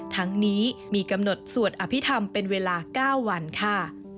ทั้งนี้มีกำหนดสวดอภิษฐรรมเป็นเวลา๙วันค่ะ